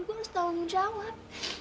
gue harus tanggung jawab